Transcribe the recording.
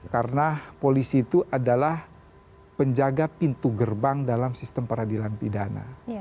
karena polisi itu adalah penjaga pintu gerbang dalam sistem peradilan pidana